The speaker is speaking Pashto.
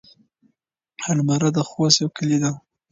المره د خوست يو کلی دی.